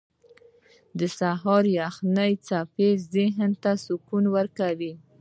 • د سهار یخې څپې ذهن ته سکون ورکوي.